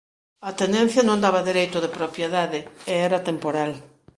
A tenencia non daba dereito de propiedade e era temporal.